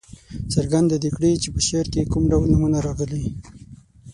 څرګنده دې کړي چې په شعر کې کوم ډول نومونه راغلي.